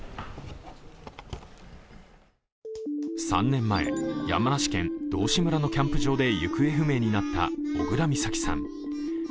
３年前、山梨県道志村のキャンプ場で行方不明になった小倉美咲さん。